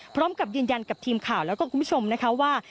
พร้อมกับยืนยันกับทีมข่าวแล้วก็คุณผู้ชมนะคะว่า